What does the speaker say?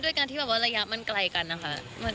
ด้วยการที่ระยะมันไกลกันนะคะ